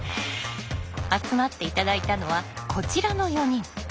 集まって頂いたのはこちらの４人。